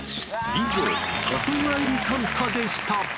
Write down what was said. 以上、里帰りサンタでした。